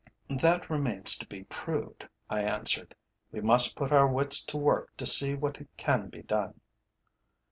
"That remains to be proved," I answered. "We must put our wits to work to see what can be done."